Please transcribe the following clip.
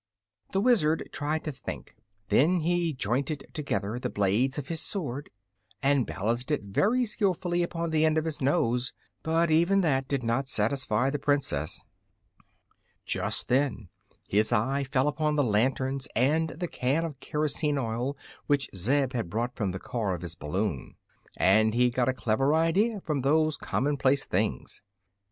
The Wizard tried to think. Then he jointed together the blades of his sword and balanced it very skillfully upon the end of his nose. But even that did not satisfy the Princess. Just then his eye fell upon the lanterns and the can of kerosene oil which Zeb had brought from the car of his balloon, and he got a clever idea from those commonplace things.